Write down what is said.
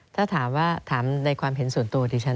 ถ้าถามในความเห็นส่วนตัวที่ฉัน